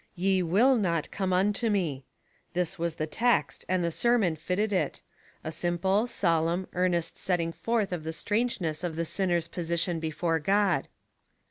" Ye will not come unto me." This was tho text, and the sermon fitted it — a simple, solemn, earnest setting forth of the strangeness of the sinner's position before God.